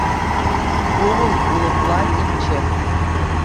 Ку вӑл — улӑпла тӗпчев.